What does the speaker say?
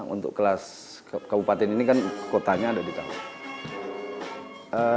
untuk kelas kabupaten ini kan kotanya ada di tahun